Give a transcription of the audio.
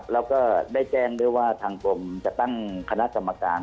แล้วก็ได้แจ้งด้วยว่าทางกรมจะตั้งคณะกรรมการ